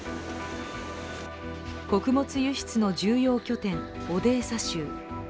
穀物輸出の重要拠点・オデーサ州。